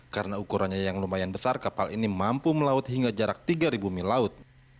karena ukurannya yang lumayan besar kapal ini mampu melaut hingga jarak tiga mil laut